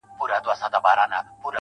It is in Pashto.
هڅه تل لاره پیدا کوي.